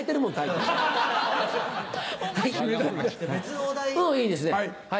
うんいいですね。